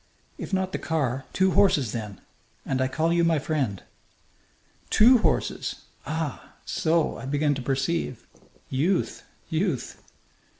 "If not the car, two horses, then. And I call you my friend." "Two horses! Ah! So! I begin to perceive. Youth! Youth!"